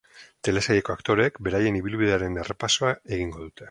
Telesaileko aktoreek beraien ibilbidearen errepasoa egingo dute.